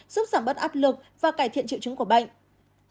giúp giảm bớt áp lực và cải thiện triệu chứng của bệnh